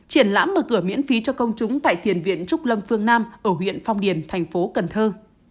triển lãm mở cửa miễn phí cho công chúng tại thiền viện trúc lâm phương nam ở huyện phong điền thành phố cần thơ